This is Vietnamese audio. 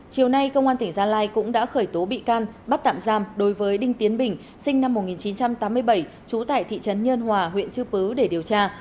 chiều nay công an tỉnh gia lai cũng đã khởi tố bị can bắt tạm giam đối với đinh tiến bình sinh năm một nghìn chín trăm tám mươi bảy trú tại thị trấn nhân hòa huyện chư pứ để điều tra